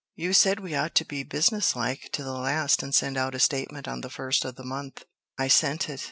"You said we ought to be business like to the last and send out a statement on the first of the month. I sent it.